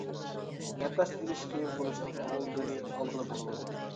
نەپەس ئېلىش قىيىن بولۇشنىڭ ئالدىنى ئالغىلى بولىدۇ.